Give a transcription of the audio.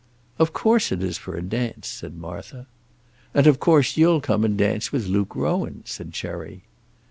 "Of course it is for a dance," said Martha. "And of course you'll come and dance with Luke Rowan," said Cherry.